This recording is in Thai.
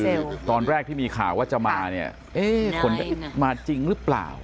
ตอนแรกที่มีข่าวว่าจะมาเนี่ยเอ๊ะคนก็มาจริงหรือเปล่า